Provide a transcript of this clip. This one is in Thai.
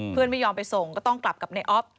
ไม่ยอมไปส่งก็ต้องกลับกับในออฟ